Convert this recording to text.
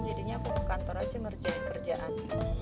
jadinya aku ke kantor aja ngerjain kerjaan